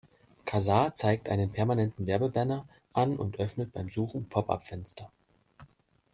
Kazaa zeigt einen permanenten Werbebanner an und öffnet beim Suchen Popup-Fenster.